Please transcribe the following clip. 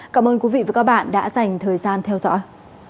cảm ơn các bạn đã theo dõi và hẹn gặp lại